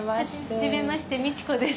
はじめまして美智子です。